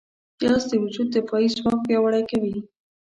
پیاز د وجود دفاعي ځواک پیاوړی کوي